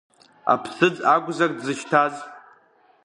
Аԥсыӡ акәзар дзышьҭаз?